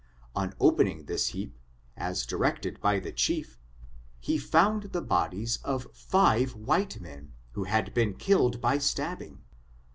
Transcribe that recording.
On opening this heap, as directed by the chief, he found the bodies of five white men^ who had been killed by stabbing.